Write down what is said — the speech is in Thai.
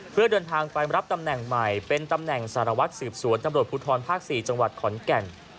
เพื่อเดินทางไปรับตำแหน่งใหม่เป็นตำแหน่งสารวัตรสืบสวนตำรวจภูทรภาค๔จังหวัดขอนแก่น